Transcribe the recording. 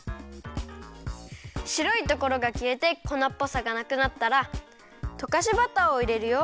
しろいところがきえてこなっぽさがなくなったらとかしバターをいれるよ。